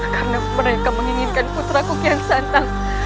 karena mereka menginginkan putraku kian santang